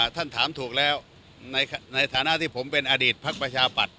ท่านถามถูกแล้วในฐานะที่ผมเป็นอดีตภักดิ์ประชาปัตย